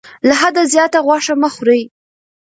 له حده زیاته غوښه مه خورئ.